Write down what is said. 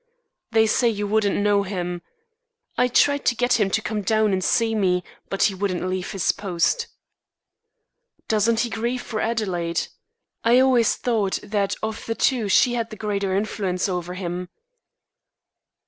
They say you wouldn't know him. I tried to get him to come down and see me, but he wouldn't leave his post." "Doesn't he grieve for Adelaide? I always thought that of the two she had the greater influence over him."